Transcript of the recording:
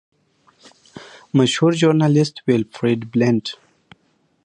مشهور ژورنالیسټ ویلفریډ بلنټ.